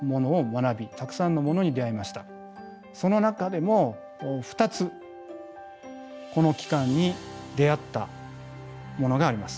その中でも２つこの期間に出会ったものがあります。